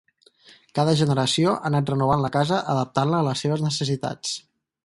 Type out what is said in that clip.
Cada generació ha anat renovant la casa adaptant-la a les seves necessitats.